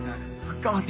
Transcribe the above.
頑張って。